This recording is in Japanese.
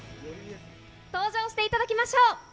登場していただきましょう。